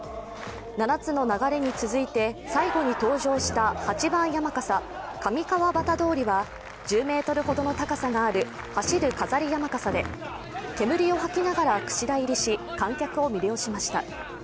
７つの流に続いて最後に登場した八番山笠、上川端通は１０ｍほどの高さがある走る飾り山笠で煙を吐きながら櫛田入りし観客を魅了しました。